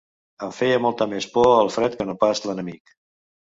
Em feia molta més por el fred que no pas l'enemic.